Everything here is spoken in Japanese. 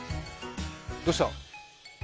どうした？